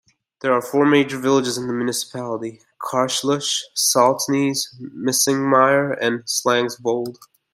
There are four major villages in the municipality: Karlshus, Saltnes, Missingmyr, and Slangsvold.